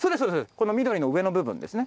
この緑の上の部分ですね。